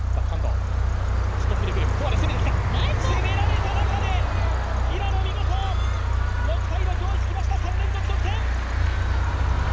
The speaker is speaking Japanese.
攻められた中で平野見事、６−６、追いつきました、３連続得点。